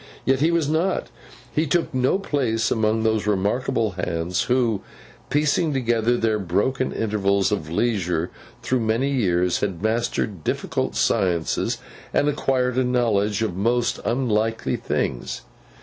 Yet he was not. He took no place among those remarkable 'Hands,' who, piecing together their broken intervals of leisure through many years, had mastered difficult sciences, and acquired a knowledge of most unlikely things.